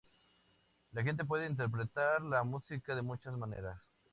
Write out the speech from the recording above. La gente puede interpretar la música de muchas maneras.